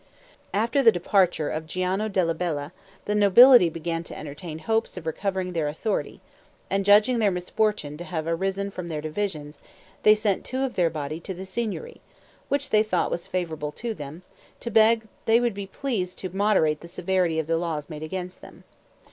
After the departure of Giano della Bella the nobility began to entertain hopes of recovering their authority; and judging their misfortune to have arisen from their divisions, they sent two of their body to the Signory, which they thought was favorable to them, to beg they would be pleased to moderate the severity of the laws made against them.